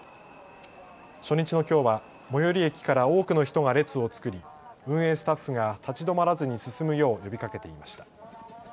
初日のきょうは最寄り駅から多くの人が列を作り運営スタッフが立ち止まらずに進むよう呼びかけていました。